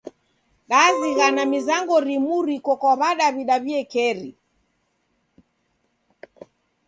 Dazighana mizango rimu riko kwa W'adaw'ida w'iekeri.